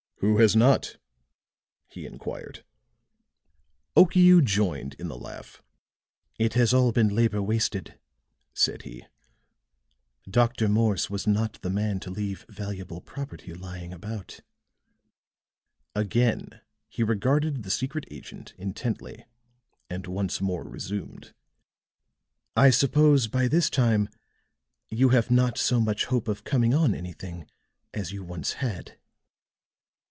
"Who has not?" he inquired. Okiu joined in the laugh. "It has all been labor wasted," said he. "Dr. Morse was not the man to leave valuable property lying about." Again he regarded the secret agent intently, and once more resumed: "I suppose by this time you have not so much hope of coming on anything as you once had?"